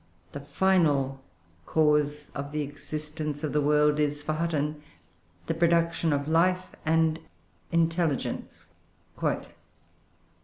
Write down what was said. The final cause of the existence of the world is, for Hutton, the production of life and intelligence.